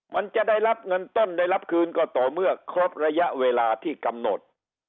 มันจะได้รับเงินต้นได้รับคืนก็ต่อเมื่อครบระยะเวลาที่กำหนด